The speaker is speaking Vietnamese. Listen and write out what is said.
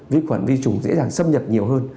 vi khuẩn vi trùng dễ dàng xâm nhập nhiều hơn